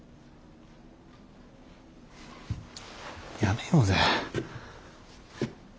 やめようぜ。